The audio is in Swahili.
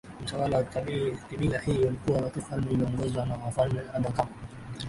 Utawala wa kibila hili ulikuwa wa kifalme ulioongozwa na wafalme Abakama